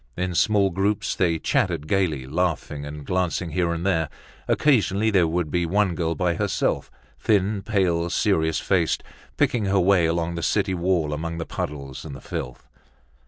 In small groups they chattered gaily, laughing and glancing here and there. Occasionally there would be one girl by herself, thin, pale, serious faced, picking her way along the city wall among the puddles and the filth.